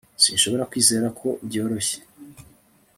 Sinshobora kwizera ko byoroshye